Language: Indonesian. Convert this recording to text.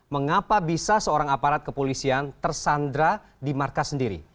mengapa bisa seorang aparat kepolisian tersandra di markas sendiri